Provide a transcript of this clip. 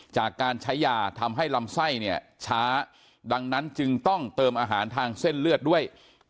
จากการใช้ยาทำให้ลำไส้เนี่ยช้าดังนั้นจึงต้องเติมอาหารทางเส้นเลือดด้วย